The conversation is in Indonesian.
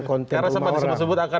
konten rumah orang karena sama disini akan